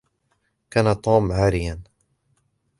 كان توم عاريًا.